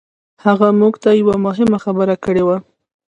هغه موږ ته يوه مهمه خبره کړې وه.